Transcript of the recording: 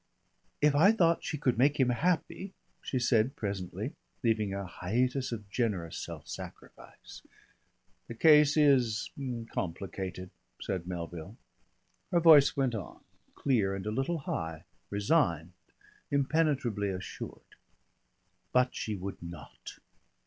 "If I thought she could make him happy!" she said presently, leaving a hiatus of generous self sacrifice. "The case is complicated," said Melville. Her voice went on, clear and a little high, resigned, impenetrably assured. "But she would not.